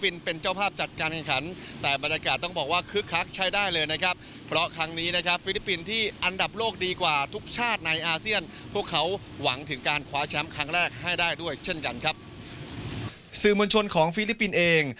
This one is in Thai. สื่อมวลชนของฟิลิปปินส์เอง